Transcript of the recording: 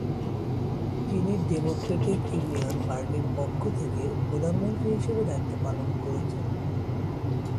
তিনি democratic union পার্টির পক্ষ থেকে প্রধানমন্ত্রী হিসাবে দায়িত্ব পালন করছেন।